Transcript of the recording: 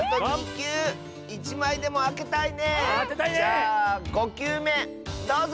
じゃあ５きゅうめどうぞ！